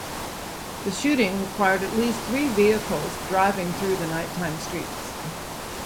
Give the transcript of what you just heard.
The shooting required at least three vehicles driving through the nighttime streets.